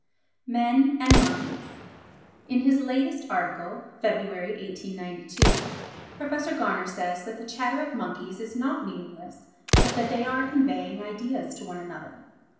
Men and Monkeys In his latest article (Feb. 1892) Prof. Garner says that the chatter of monkeys is not meaningless, but that they are conveying ideas to one another.